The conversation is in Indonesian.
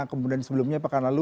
kemudian sebelumnya pekan lalu